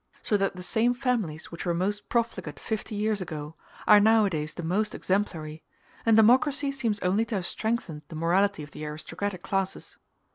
So that the same families which were most profligate fifty years ago are nowadays the most exemplary, and democracy seems only to have strengthened the morality of the aristocratic classes.